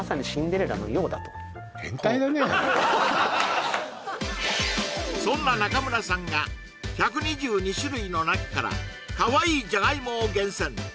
まさにそんな中村さんが１２２種類の中からかわいいじゃがいもを厳選！